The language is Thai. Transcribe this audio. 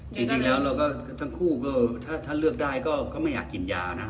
จริงแล้วเราก็ทั้งคู่ก็ถ้าเลือกได้ก็ไม่อยากกินยานะ